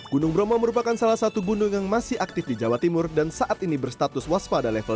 gunung bromo merupakan salah satu gunung yang masih aktif di jawa timur dan saat ini berstatus waspada level dua